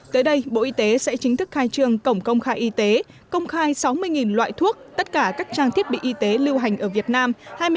tới đây bộ y tế sẽ chính thức khai trường cổng công khai y tế công khai sáu mươi loại thuốc tất cả các trang thiết bị y tế lưu hành ở việt nam